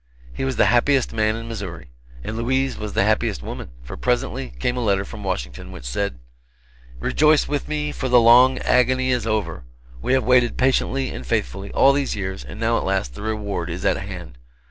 He was the happiest man in Missouri. And Louise was the happiest woman; for presently came a letter from Washington which said: "Rejoice with me, for the long agony is over! We have waited patiently and faithfully, all these years, and now at last the reward is at hand.